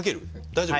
大丈夫？